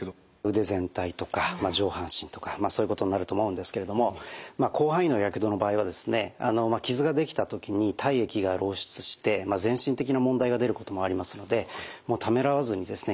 腕全体とか上半身とかそういうことになると思うんですけれども広範囲のやけどの場合はですね傷ができた時に体液が漏出して全身的な問題が出ることもありますのでためらわずにですね